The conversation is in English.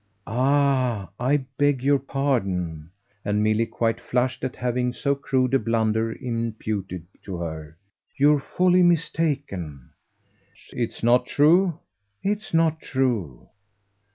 "Ah I beg your pardon!" and Milly quite flushed at having so crude a blunder imputed to her. "You're wholly mistaken." "It's not true?" "It's not true."